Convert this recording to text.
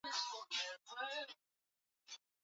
na kwenye sehemu za pwani za Aktiki ni mm kumi tano pekee